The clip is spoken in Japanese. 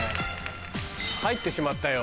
入ってしまったよ。